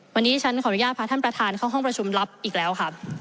วันนี้ฉันขออนุญาตพาท่านประธานเข้าห้องประชุมรับอีกแล้วครับ